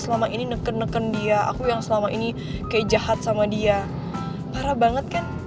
selama ini neken neken dia aku yang selama ini kayak jahat sama dia parah banget kan